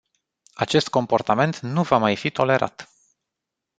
Acest comportament nu va mai fi tolerat.